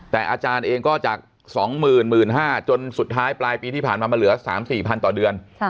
แต่อาจารย์เองก็จาก๒๐๐๐๑๕๐๐จนสุดท้ายปลายปีที่ผ่านมามันเหลือ๓๔๐๐ต่อเดือน